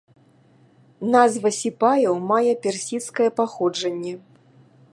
Назва сіпаяў мае персідскае паходжанне.